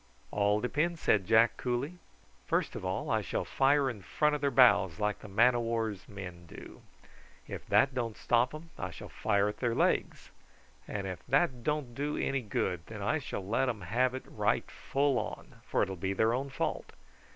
"All depends," said Jack coolly. "First of all, I shall fire in front of their bows like the man o' war's men do. If that don't stop 'em I shall fire at their legs, and if that don't do any good then I shall let 'em have it right full, for it'll be their own fault.